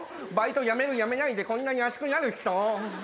バイトやめるやめないでこんなに熱くなる人。